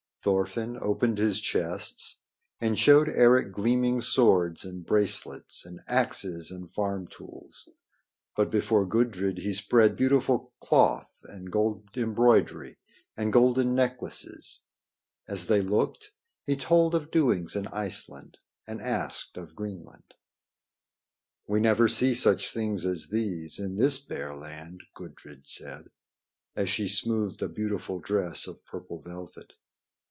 Thorfinn opened his chests and showed Eric gleaming swords and bracelets and axes and farm tools. But before Gudrid he spread beautiful cloth and gold embroidery and golden necklaces. As they looked, he told of doings in Iceland and asked of Greenland. "We never see such things as these in this bare land," Gudrid said, as she smoothed a beautiful dress of purple velvet.